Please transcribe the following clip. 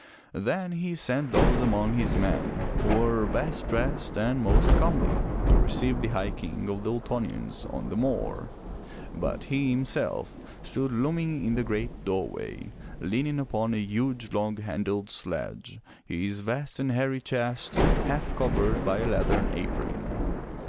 Then he sent those among his men who were best dressed and most comely to receive the High King of the Ultonians on the moor, but he himself stood looming in the great doorway, leaning upon a huge, long handled sledge, his vast and hairy chest, half covered by a leathern apron.